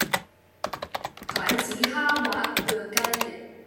蟹籽蝦滑釀雞翼